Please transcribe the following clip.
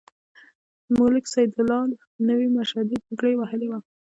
ملک سیدلال نوې مشدۍ پګړۍ وهلې وه.